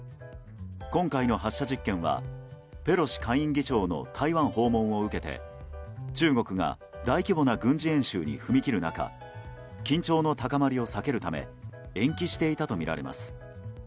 今回の発射実験はペロシ下院議長の台湾訪問を受けて中国が大規模な軍事演習に踏み切る中緊張の高まりを避けるため延期していたとみられます。